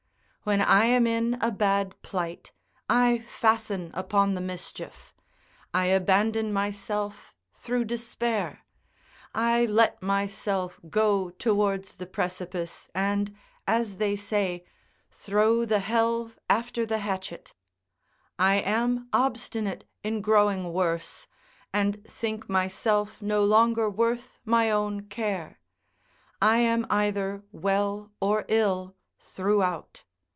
When I am in a bad plight, I fasten upon the mischief; I abandon myself through despair; I let myself go towards the precipice, and, as they say, "throw the helve after the hatchet"; I am obstinate in growing worse, and think myself no longer worth my own care; I am either well or ill throughout.